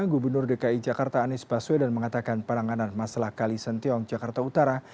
gubernur dki jakarta anies baswedan mengatakan penanganan masalah kalisentiong jakarta utara